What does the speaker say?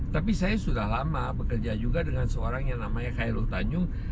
tapi saya sudah lama bekerja juga dengan seorang yang namanya khairul tanjung